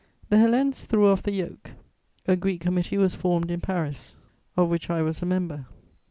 The Hellenes threw off the yoke: a Greek Committee was formed in Paris, of which I was a member.